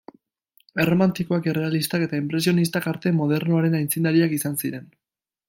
Erromantikoak, errealistak eta inpresionistak arte modernoaren aitzindariak izan ziren.